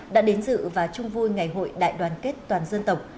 đã đến dự và chung vui ngày hội đại đoàn kết toàn dân tộc